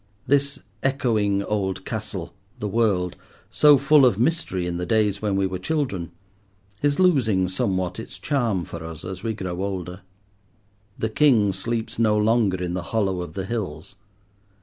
This echoing old castle, the world, so full of mystery in the days when we were children, is losing somewhat its charm for us as we grow older. The king sleeps no longer in the hollow of the hills.